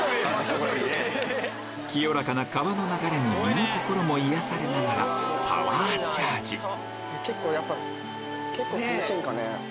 清らかな川の流れに身も心も癒やされながらパワーチャージ結構涼しいんかね？